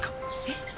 えっ？